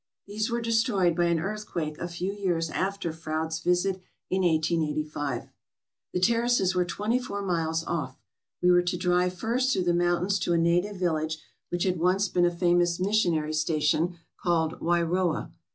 [These were de stroyed by an earthquake a few years after Froude's visit in 1885.] ... The Terraces were twenty four miles off. We were to drive first through the mountains to a native village which had once been a famous missionary sta tion, called Wairoa.